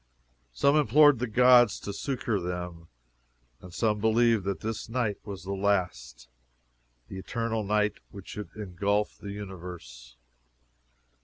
"Some implored the gods to succor them, and some believed that this night was the last, the eternal night which should engulf the universe!